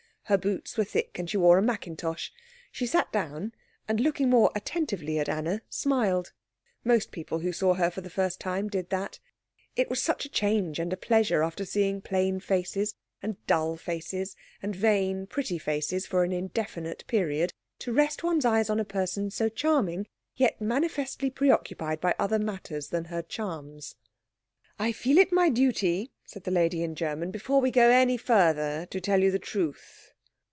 Her boots were thick, and she wore a mackintosh. She sat down, and looking more attentively at Anna, smiled. Most people who saw her for the first time did that. It was such a change and a pleasure after seeing plain faces, and dull faces, and vain, pretty faces for an indefinite period, to rest one's eyes on a person so charming yet manifestly preoccupied by other matters than her charms. "I feel it my duty," said the lady in German, "before we go any further to tell you the truth."